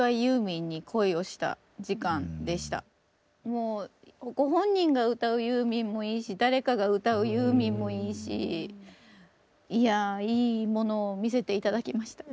もうご本人が歌うユーミンもいいし誰かが歌うユーミンもいいしいやあいいものを見せて頂きました。